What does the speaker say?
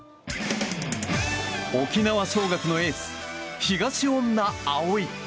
沖縄尚学のエース、東恩納蒼。